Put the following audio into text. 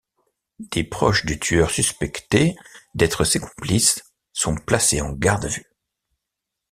Des proches du tueur suspectés d'être ses complices sont placés en garde à vue.